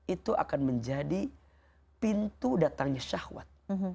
itu akan menjadi pintu datangnya syahwat